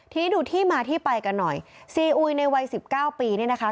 ทีนี้ดูที่มาที่ไปกันหน่อยซีอุยในวัยสิบเก้าปีเนี่ยนะคะ